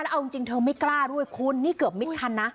เอาจริงเธอไม่กล้าด้วยคุณนี่เกือบมิดคันนะ